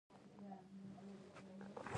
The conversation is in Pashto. پیاله د زړه مهرباني ښيي.